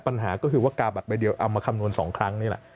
ปัญหาก็คือว่ากาบัตรใบเดียวเอามาคำนวณ๒ครั้งนี่แหละ